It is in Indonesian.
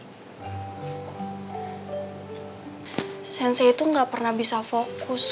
karena siapa yang katsul puan poucore